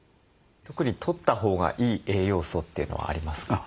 特にとったほうがいい栄養素というのはありますか？